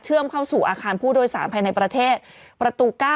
เข้าสู่อาคารผู้โดยสารภายในประเทศประตู๙